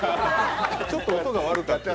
ちょっと音が悪かった。